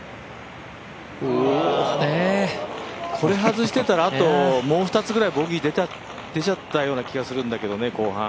これ外してたらあともう２つぐらいボギーが出ちゃってた気がするんだよね